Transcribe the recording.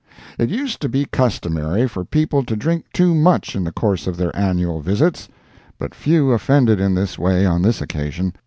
It used to be customary for people to drink too much in the course of their annual visits, but few offended in this way on this occasion.